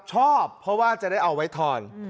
ชอบเพราะว่าจะได้เอาไว้ทอน